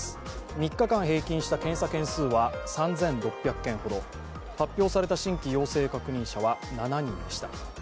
３日間平均した検査件数は３６００件ほど、発見された新規陽性確認者は７人でした。